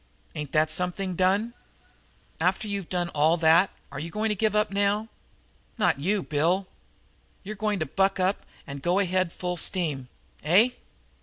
Ain't that something done? After you've done all that are you going to give up now? Not you, Bill! You're going to buck up and go ahead full steam. Eh?"